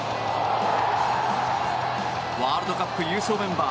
ワールドカップ優勝メンバー